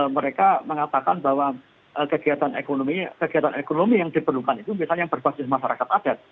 mereka mengatakan bahwa kegiatan ekonomi yang diperlukan itu misalnya berbasis masyarakat adat